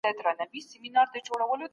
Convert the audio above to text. موږ باید خپلي وني اوبه کړو.